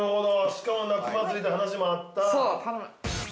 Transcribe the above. しかも夏祭りという話もあった。